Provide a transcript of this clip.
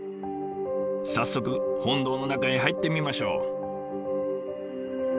早速本堂の中へ入ってみましょう。